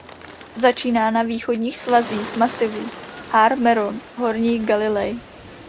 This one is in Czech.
Začíná na východních svazích masivu Har Meron v Horní Galileji.